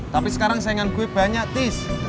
tapi sekarang saingan gue banyak tis